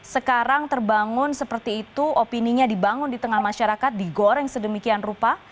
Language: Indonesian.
sekarang terbangun seperti itu opininya dibangun di tengah masyarakat digoreng sedemikian rupa